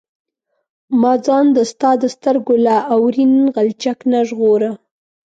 ما ځان د ستا د سترګو له اورین غلچک نه ژغوره.